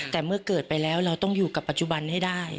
แต่เมื่อเกิดไปแล้วเราต้องอยู่กับปัจจุบันให้ได้